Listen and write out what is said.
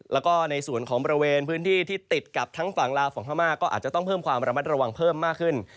แล้วก็ในส่วนของบริเวณพื้นที่ที่ติดกับทั้งฝั่งลาวฝั่งพม่าก็อาจจะต้องเพิ่มความระมัดระวังเพิ่มมากขึ้น